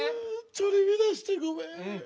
取り乱してごめん。